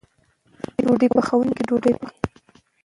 ډوډۍ پخوونکی ډوډۍ پخوي.